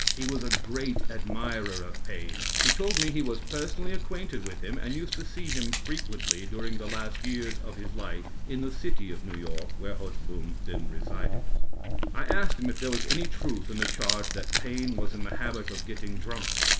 He was a great admirer of Paine. He told me he was personally acquainted with him, and used to see him frequently during the last years of his life in the City of New York, where Hogeboom then resided. I asked him if there was any truth in the charge that Paine was in the habit of getting drunk.